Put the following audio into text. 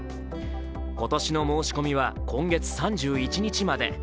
今年の申し込みは今月３１日まで。